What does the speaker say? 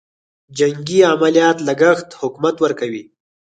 جنګي عملیاتو لګښت حکومت ورکوي.